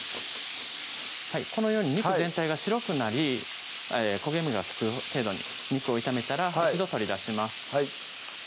このように肉全体が白くなり焦げ目がつく程度に肉を炒めたら一度取り出しますはい